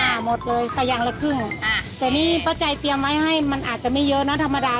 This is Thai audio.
หมดเลยใส่อย่างละครึ่งอ่าแต่นี่ป้าใจเตรียมไว้ให้มันอาจจะไม่เยอะนะธรรมดา